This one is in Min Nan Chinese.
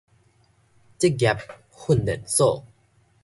職業訓練所